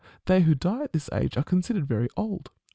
They who die at this age are considered very old.